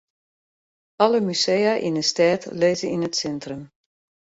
Alle musea yn 'e stêd lizze yn it sintrum.